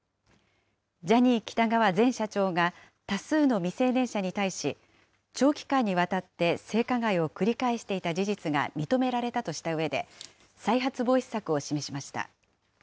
ジャニー喜多川前社長が多数の未成年者に対し、長期間にわたって性加害を繰り返していた事実が認められたとしたうえで、再発防止策を示しました。